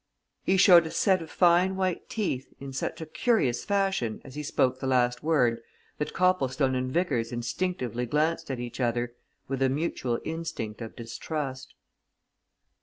He showed a set of fine white teeth in such a curious fashion as he spoke the last word that Copplestone and Vickers instinctively glanced at each other, with a mutual instinct of distrust.